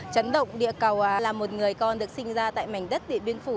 chấn động địa cầu là một người con được sinh ra tại mảnh đất địa biên phủ